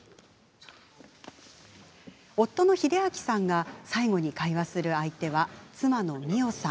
夫の秀彰さんが最後に会話する相手は妻の美緒さん。